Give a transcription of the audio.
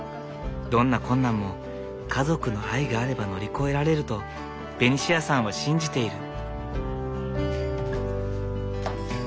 どんな困難も家族の愛があれば乗り越えられるとベニシアさんは信じている。